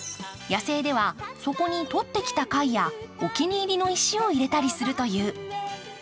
野生ではそこにとってきた貝やお気に入りの石を入れたりするという。